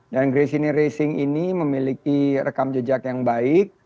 dan gresini racing ini memiliki rekam jejak yang baik